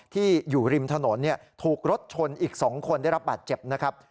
ที่อยู่ริมถนนถูกรถชนอีก๒คนได้รับบาดเจ็บนะครับ